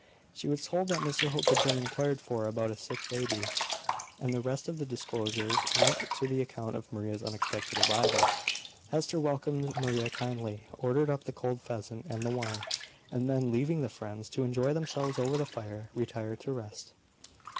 She was told that Mr Hope had been inquired for, about a sick baby; and the rest of the discourse went to the account of Maria's unexpected arrival. Hester welcomed Maria kindly, ordered up the cold pheasant and the wine, and then, leaving the friends to enjoy themselves over the fire, retired to rest.